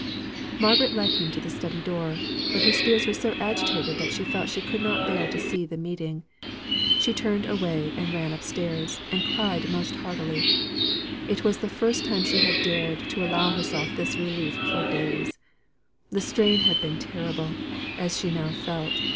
Margaret led him to the study door, but her spirits were so agitated that she felt she could not bear to see the meeting. She turned away, and ran up stairs, and cried most heartily. It was the first time she had dared to allow herself this relief for days. The strain had been terrible, as she now felt.